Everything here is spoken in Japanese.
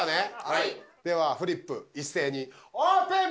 はいではフリップ一斉にオープン！